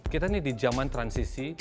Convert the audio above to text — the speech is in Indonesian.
kita nih di jaman transisi